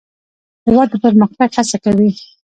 هېواد د پرمختګ هڅه کوي.